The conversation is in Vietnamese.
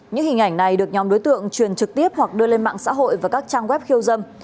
những hình ảnh này được nhóm đối tượng truyền trực tiếp hoặc đưa lên mạng xã hội và các trang web khiêu dâm